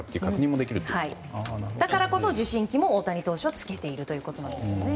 だからこそ受信機も大谷選手は着けているということです。